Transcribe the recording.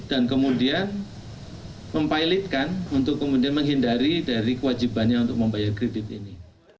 dan kemudian mempeletkan untuk menghindari dari kewajibannya untuk membayar kredit ini